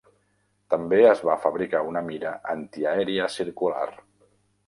També es va fabricar una mira antiaèria circular.